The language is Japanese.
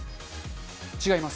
違います。